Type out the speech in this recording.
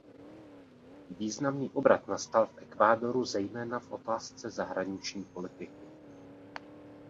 Významný obrat nastal v Ekvádoru zejména v otázce zahraniční politiky.